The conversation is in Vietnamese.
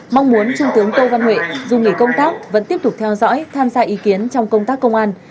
mong muốn trung tướng tô văn huệ dù nghỉ công tác vẫn tiếp tục theo dõi tham gia ý kiến trong công tác công an